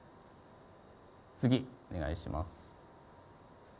次、お願いします。